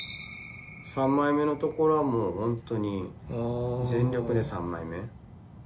３枚目のところはもうホントに全力で３枚目。